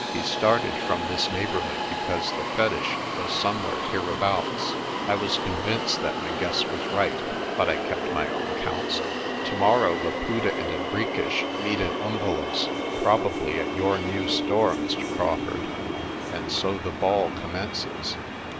He started from this neighbourhood because the fetich was somewhere hereabouts. I was convinced that my guess was right, but I kept my own counsel. "Tomorrow Laputa and Henriques meet at Umvelos', probably at your new store, Mr. Crawfurd. And so the ball commences."